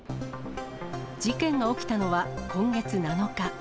事件が起きたのは今月７日。